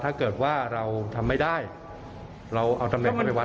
ถ้าเกิดว่าเราทำไม่ได้เราเอาธรรมดิกันไปวัด